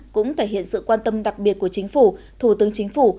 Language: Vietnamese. cũng thể hiện sự quan tâm đặc biệt của chính phủ thủ tướng chính phủ